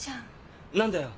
何だよ。